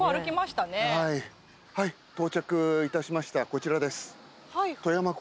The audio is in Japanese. こちらです。